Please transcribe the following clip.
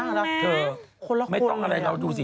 ต้องระวังนะคนละคนเหลือไม่ต้องอะไรเราดูสิ